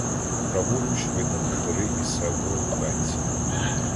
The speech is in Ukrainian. Праворуч видно хутори і село Лубенці.